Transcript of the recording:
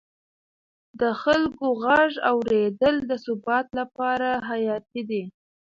د خلکو غږ اورېدل د ثبات لپاره حیاتي دی